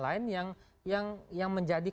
lain yang menjadi